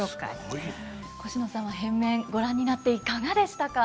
コシノさんは変面ご覧になっていかがでしたか？